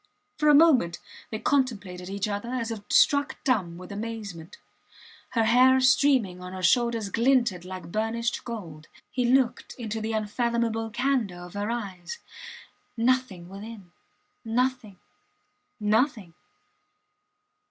For a moment they contemplated each other as if struck dumb with amazement. Her hair streaming on her shoulders glinted like burnished gold. He looked into the unfathomable candour of her eyes. Nothing within nothing nothing.